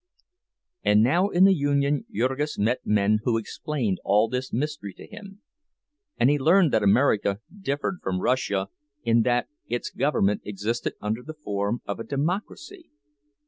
And now in the union Jurgis met men who explained all this mystery to him; and he learned that America differed from Russia in that its government existed under the form of a democracy.